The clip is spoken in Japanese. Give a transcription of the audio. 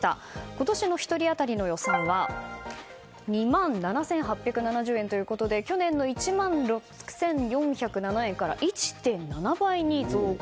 今年の１人当たりの予算は２万７８７０円ということで去年の１万６４０７円から１．７倍に増加。